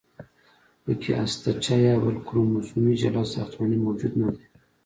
پکې هستچه یا بل کروموزومي جلا ساختمان موجود نه دی.